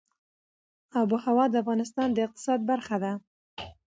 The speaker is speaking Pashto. آب وهوا د افغانستان د اقتصاد برخه ده.